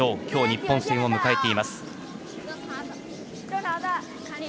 今日、日本戦を迎えています。